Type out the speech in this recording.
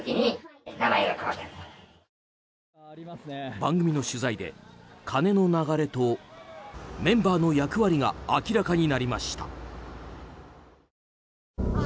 番組の取材で金の流れとメンバーの役割が明らかになりました。